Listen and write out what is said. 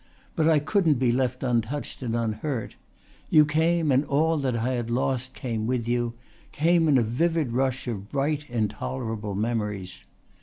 "But I couldn't be left untouched and unhurt. You came and all that I had lost came with you, came in a vivid rush of bright intolerable memories."